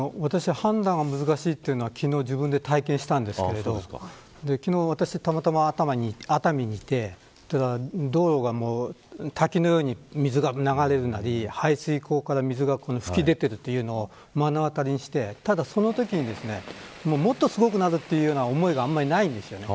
判断が難しいというのは、昨日自分で体験したんですけど昨日、私たまたま熱海にいて道路が滝のように水が流れるなり排水溝から水が噴き出ているというのを目の当たりにしてただ、そのときにもっとすごくなるという思いがあんまりないんです。